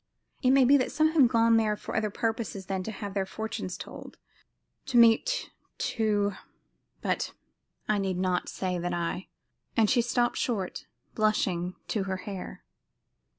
It may be that some have gone there for other purposes than to have their fortunes told to meet, to but I need not say that I " and she stopped short, blushing to her hair.